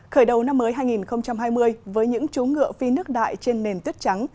khởi đầu năm mới hai nghìn hai mươi với những chú ngựa phi nước đại trên nền tuyết trắng